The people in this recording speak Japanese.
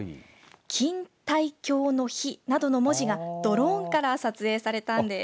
ＫＩＮＴＡＩＫＹＯの日などの文字がドローンから撮影されたんです。